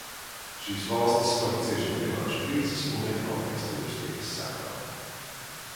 Šīs valstis smagi cieš no finanšu krīzes un ekonomikas lejupslīdes sekām.